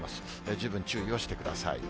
十分注意をしてください。